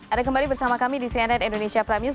ada kembali bersama kami di cnn indonesia previews